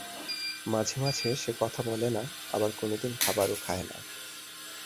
মাঝে মাঝে, সে কথা বলে না আবার কোনদিন খাবারও খায় না।